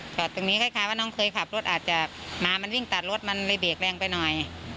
จอดตรงนี้คล้ายว่าน้องเคยขับรถอาจจะมามันวิ่งตัดรถมันเลยเบรกแรงไปหน่อย